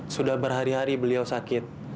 sudah berhari hari beliau sakit